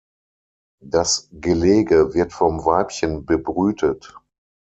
Das Gelege wird vom Weibchen bebrütet.